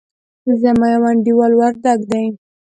زما يو انډيوال وردګ دئ.